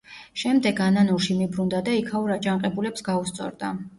შემდეგ ანანურში მიბრუნდა და იქაურ აჯანყებულებს გაუსწორდა.